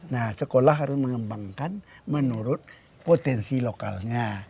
nah sekolah harus mengembangkan menurut potensi lokalnya